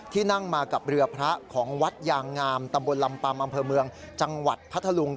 นั่งมากับเรือพระของวัดยางงามตำบลลำปัมอำเภอเมืองจังหวัดพัทธลุง